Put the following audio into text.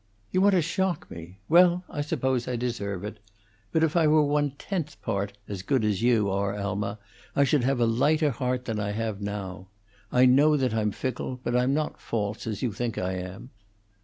"You want to shock me. Well, I suppose I deserve it. But if I were one tenth part as good as you are, Alma, I should have a lighter heart than I have now. I know that I'm fickle, but I'm not false, as you think I am."